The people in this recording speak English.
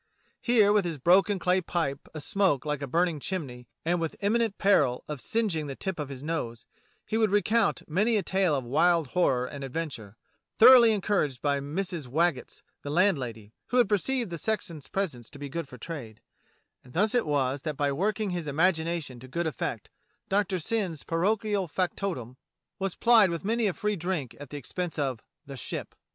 Here, with his broken clay pipe asmoke like a burning chimney and with eminent peril of singeing the tip of his nose, he would recount many a tale of wild horror and ad venture, thoroughly encouraged by Mrs. Waggetts, the landlady, who had perceived the sexton's presence to be good for trade; and thus it was that by working his imagination to good effect Doctor Syn's parochial factotum was plied with many a free drink at the ex DYMCHURCH UNDER THE WALL 7 pense of the "Ship."